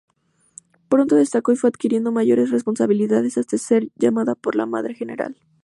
Pronto destacó y fue adquiriendo mayores responsabilidades hasta ser llamada por la Madre General.